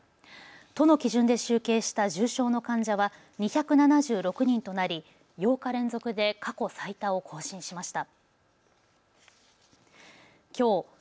都の基準で集計した重症の患者は２７６人となり８日連続で過去最多を更新しました。